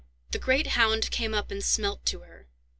The great hound came up and smelt to her.